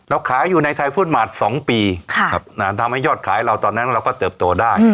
ขายอยู่ในไทยฟุตมาร์๒ปีทำให้ยอดขายเราตอนนั้นเราก็เติบโตได้